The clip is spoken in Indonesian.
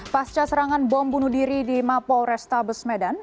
pasca serangan bom bunuh diri di mapol restabes medan